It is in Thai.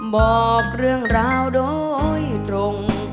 บอกเรื่องราวโดยตรง